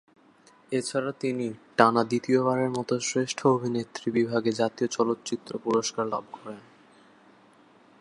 এছাড়া তিনি টানা দ্বিতীয়বারের মত শ্রেষ্ঠ অভিনেত্রী বিভাগে জাতীয় চলচ্চিত্র পুরস্কার লাভ করেন।